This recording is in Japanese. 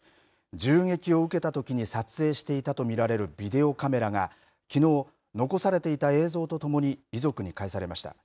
銃撃を受けたときに撮影していたと見られるビデオカメラがきのう残されていた映像とともに遺族に返されました。